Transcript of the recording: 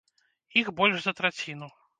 Іх больш за траціну.